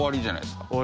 じゃないですか。